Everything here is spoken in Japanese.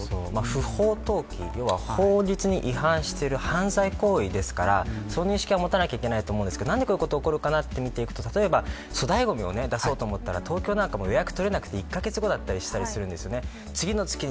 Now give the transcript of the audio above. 不法投棄、要は法律に違反している犯罪行為ですからその認識は持たなければいけないかなと思うんですけど何でこんなことが起こるか見ていくと粗大ごみを出そうと思ったら東京とか予約が取れなくて１カ月後だったりします。